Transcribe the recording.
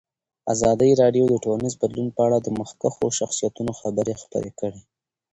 ازادي راډیو د ټولنیز بدلون په اړه د مخکښو شخصیتونو خبرې خپرې کړي.